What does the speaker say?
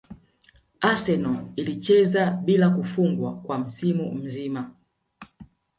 Arsenal ilicheza bila kufungwa kwa msimu mzima